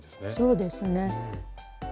そうですね。